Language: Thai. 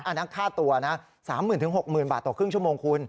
อันนั้นค่าตัวนะ๓๐๐๐๖๐๐๐บาทต่อครึ่งชั่วโมงคุณ